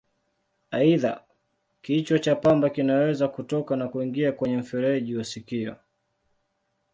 Aidha, kichwa cha pamba kinaweza kutoka na kuingia kwenye mfereji wa sikio.